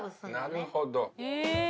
なるほど。